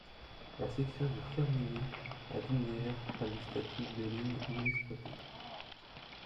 La section de Firminy à Dunières a le statut de ligne non exploitée.